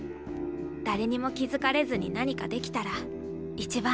誰にも気付かれずに何かできたら一番いい。